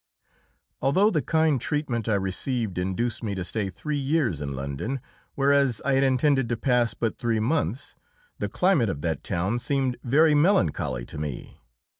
Although the kind treatment I received induced me to stay three years in London, whereas I had intended to pass but three months, the climate of that town seemed very melancholy to me.